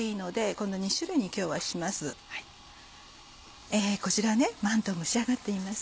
こちらまんとう蒸し上がっています。